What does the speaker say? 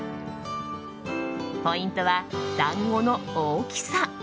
ポイントは、団子の大きさ。